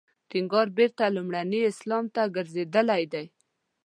ټینګار بېرته لومړني اسلام ته ګرځېدل دی.